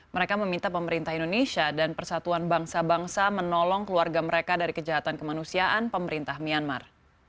mereka meminta pemerintah indonesia dan persatuan bangsa bangsa menolong keluarga mereka dari kejahatan kemanusiaan pemerintah myanmar